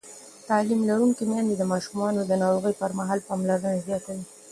تعلیم لرونکې میندې د ماشومانو د ناروغۍ پر مهال پاملرنه زیاتوي.